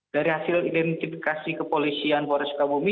dari hasil identifikasi kepolisian polres sukabumi